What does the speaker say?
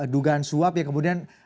dugaan suap ya kemudian